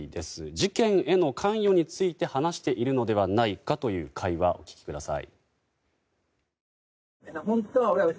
事件への関与について話しているのではないかという会話をお聞きください。